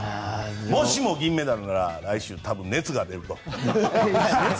もしも銀メダルなら来週、熱が出ると。